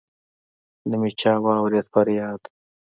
نه مي چا واوريد فرياد